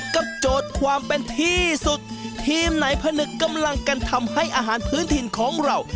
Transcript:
โจทย์ความเป็นที่สุดทีมไหนผนึกกำลังกันทำให้อาหารพื้นถิ่นของเรา